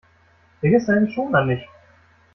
Vergiss deine Schoner nicht!